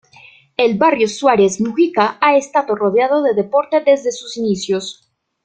El Barrio Suárez Mujica ha estado rodeado de deporte desde sus inicios.